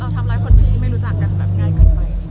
ทำร้ายคนพี่ไม่รู้จักกันแบบง่ายเกินไป